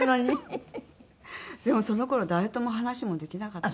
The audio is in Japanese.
でもその頃誰とも話もできなかったですね。